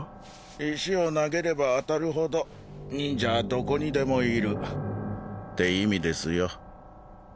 石を投げれば当たるほど忍者はどこにでもいるって意味ですよ